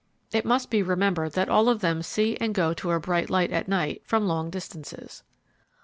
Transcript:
It must be remembered that all of them see and go to a bright light at night from long distances.